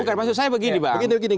bukan maksud saya begini bang